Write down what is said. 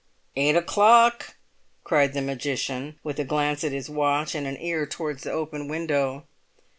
"Eight o'clock!" cried the magician, with a glance at his watch and an ear towards the open window.